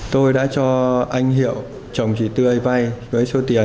tôi đã cho anh hiệu chồng chị tươi vay với số tiền là ba trăm linh triệu